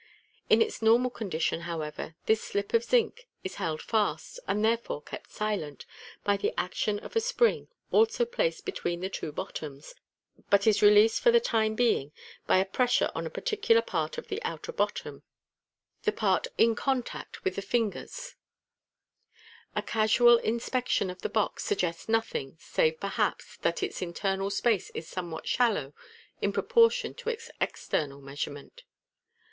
In its normal condition, however, this slip of zinc is held fast (and therefore kept silent) by the action of a spring also placed be tween the two bottoms, but is released for the time being by a pressure on a particular part of the outer bottom (the part in contact with the fingers in Fig. 83). A casual inspection of the box suggests nothing, save, perhaps, that its internal space is somewhat shallow in proportion to its external measurement.